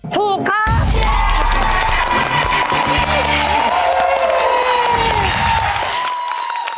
ถูกครับ